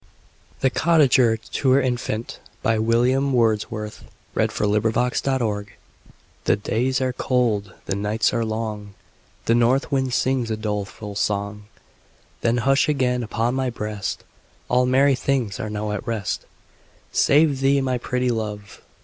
C RECORD THE COTTAGER TO HER INFANT BY MY SISTER THE COTTAGER TO HER INFANT THE days are cold, the nights are long, The north wind sings a doleful song; Then hush again upon my breast; All merry things are now at rest, Save thee, my pretty Love!